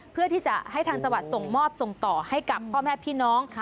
เพื่อที่จะให้ทางจังหวัดส่งมอบส่งต่อให้กับพ่อแม่พี่น้อง